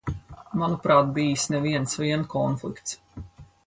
Manuprāt, bijis ne viens vien konflikts.